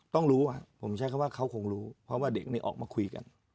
ต้องรู้ผมใช้คำว่าเขาคงรู้เพราะว่าเด็กนี่ออกมาคุยกัน